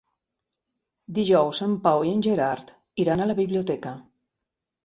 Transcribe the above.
Dijous en Pau i en Gerard iran a la biblioteca.